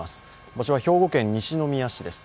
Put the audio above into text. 場所は兵庫県西宮市です。